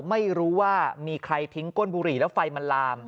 ไม่รู้ว่ามีใครทิ้งก้นบุหรี่แล้วไฟมันลาม